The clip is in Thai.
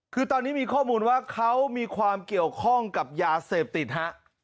คือตอนนี้มีข้อมูลว่าเขามีความเกี่ยวข้องกับยาเสพติดฮะ